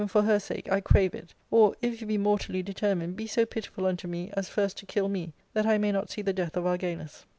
for her sake, I crave it ; or, if you be mortally determined, be so pitiful unto me as first to kill me, that I may not see the death of Argalus."